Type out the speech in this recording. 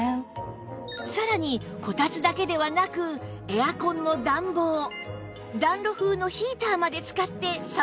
さらにこたつだけではなくエアコンの暖房暖炉風のヒーターまで使って寒さ対策